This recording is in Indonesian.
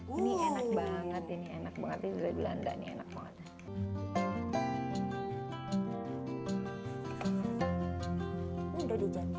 ini enak banget ini enak banget ini dari belanda enak banget